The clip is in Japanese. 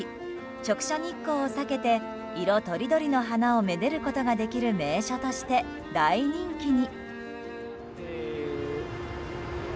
直射日光を避けて色とりどりの花をめでることができる名所として、大人気に。